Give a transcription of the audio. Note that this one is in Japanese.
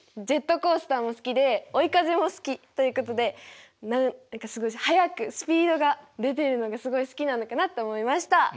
ジェットコースターも好きで「追い風」も好きということで何か速くスピードが出てるのがすごい好きなのかなと思いました。